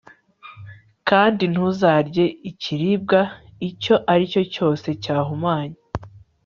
kandi ntuzarye ikiribwa icyo ari cyo cyose cyahumanye